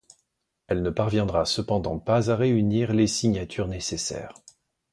Elle ne parviendra cependant pas à réunir les signatures nécessaires.